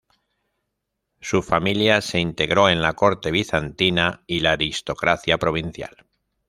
Su familia se integró en la corte bizantina y la aristocracia provincial.